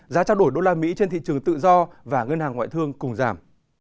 giá trao đổi usd trên thị trường tự do và ngân hàng ngoại thương cùng giảm